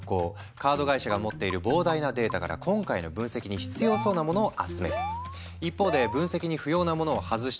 カード会社が持っている膨大なデータから今回の分析に必要そうなものを集める。